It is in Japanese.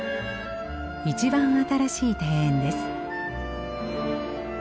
一番新しい庭園です。